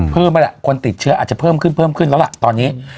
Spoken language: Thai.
เพิ่มไปแล้วคนติดเชื้ออาจจะเพิ่มขึ้นแล้วล่ะตอนนี้